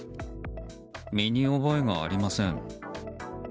身に覚えがありません。